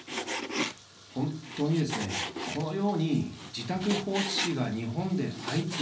本当にですね、このように自宅放置死が日本で相次ぐ。